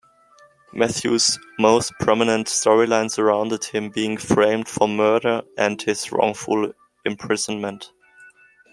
Matthew's most prominent storyline surrounded him being framed for murder and his wrongful imprisonment.